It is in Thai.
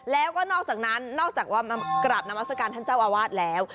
แล้วก็นอกจากนั้นนอกจากว่ามากราบนามัศกาลท่านเจ้าอาวาสแล้ว